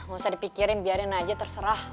gak usah dipikirin biarin aja terserah